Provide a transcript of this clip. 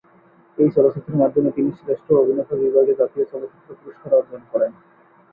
এই চলচ্চিত্রের মাধ্যমে তিনি শ্রেষ্ঠ অভিনেতা বিভাগে জাতীয় চলচ্চিত্র পুরস্কার অর্জন করেন।